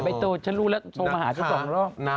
ไบเตอร์ฉันรู้แล้วโทรมาหาเจ้าสองร่วม